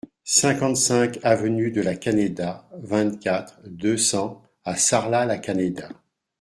cinquante-cinq avenue de la Canéda, vingt-quatre, deux cents à Sarlat-la-Canéda